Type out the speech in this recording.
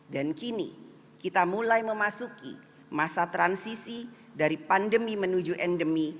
dan kini kita mulai memasuki masa transisi dari pandemi menuju endemi